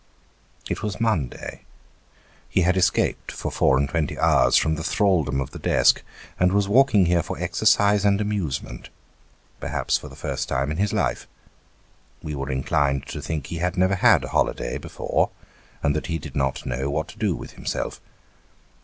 It was Monday ; he had escaped for four and twenty hours from the thraldom of the desk ; and was walking here for exercise and amusement perhaps for the first time in his life. We were inclined to think he had never had a holiday before, and that he did not know what to do with himself.